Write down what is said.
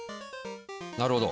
なるほど。